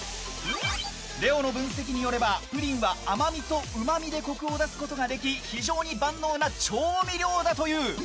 レオの分析によればプリンは甘味とうま味でコクを出すことができ非常に万能な調味料だという。